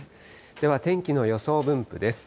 では天気の予想分布です。